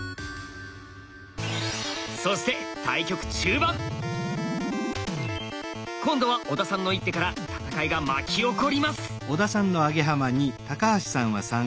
そして今度は小田さんの一手から戦いが巻き起こります。